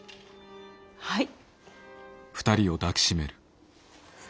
はい。